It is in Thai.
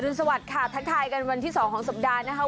สวัสดีค่ะทักทายกันวันที่๒ของสัปดาห์นะคะ